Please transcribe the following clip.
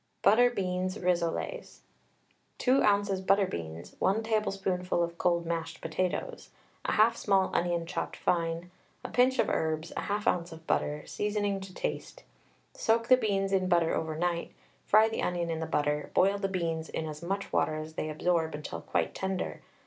BUTTER BEANS RISSOLES. 2 oz. butter beans, 1 tablespoonful of cold mashed potatoes, 1/2 small onion chopped fine, a pinch of herbs, 1/2 oz. of butter, seasoning to taste. Soak the beans in butter over night, fry the onion in the butter. Boil the beans in as much water as they absorb until quite tender.